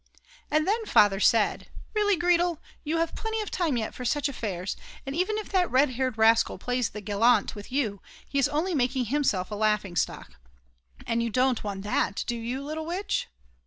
And then Father said: "Really, Gretel, you have plenty of time yet for such affairs, and even if that red haired rascal plays the gallant with you, he is only making himself a laughing stock. And you don't want that, do you, little witch?"